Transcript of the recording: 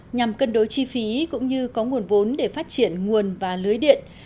nhằm cân đối chi phí cũng như có nguồn vốn để phát triển nguồn và lưới điện